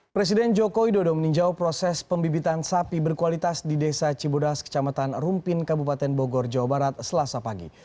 presiden jokowi dodo meninjau proses pembibitan sapi berkualitas di desa cibodas kecamatan rumpin kabupaten bogor jawa barat selasa pagi